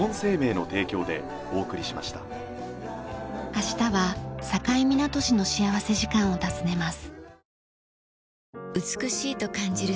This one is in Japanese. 明日は境港市の幸福時間を訪ねます。